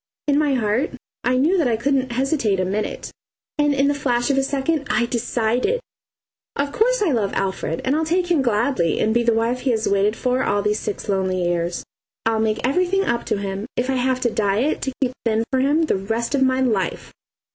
In my heart I knew that I couldn't hesitate a minute and in the flash of a second I decided. Of course I love Alfred, and I'll take him gladly and be the wife he has waited for all these six lonely years. I'll make everything up to him, if I have to diet to keep thin for him the rest of my life.